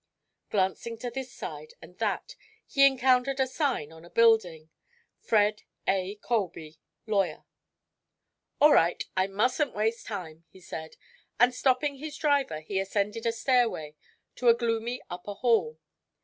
Glancing to this side and that, he encountered a sign on a building: "Fred A. Colby, Lawyer." "All right; I mustn't waste time," he said, and stopping his driver he ascended a stairway to a gloomy upper hall.